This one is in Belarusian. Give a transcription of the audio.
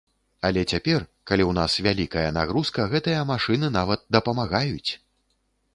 Але цяпер, калі ў нас вялікая нагрузка, гэтыя машыны нават дапамагаюць.